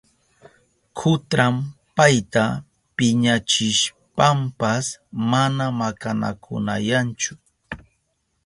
Kutran payta piñachishpanpas mana makanakunayanchu.